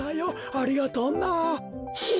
ありがとうな。え！